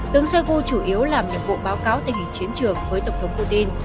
tướng shoigu chủ yếu làm nhiệm vụ báo cáo tình hình chiến trường với tổng thống putin